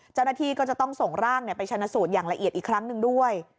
เจ้าหน้าที่ก็จะต้องส่งร่างไปชนะสูตรอย่างละเอียดอีกครั้งหนึ่งด้วย